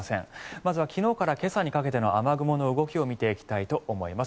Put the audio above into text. まずは昨日から今朝にかけての雨雲の動きを見ていきたいと思います。